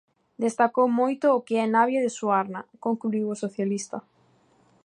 "Destacou moito o que é Navia de Suarna", concluíu o socialista.